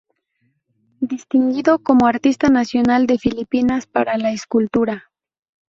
Distinguido como Artista Nacional de Filipinas para la Escultura.